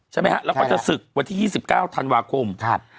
ใช่ไหมฮะแล้วก็จะศึกวันที่๒๙ธันวาคม